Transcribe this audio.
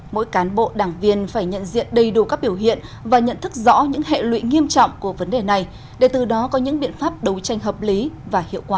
mỗi cán bộ đảng viên phải nhận diện đầy đủ các biểu hiện và nhận thức rõ những hệ lụy nghiêm trọng của vấn đề này để từ đó có những biện pháp đấu tranh hợp lý và hiệu quả